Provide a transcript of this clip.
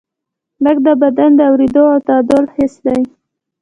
غوږ د بدن د اورېدو او تعادل حس دی.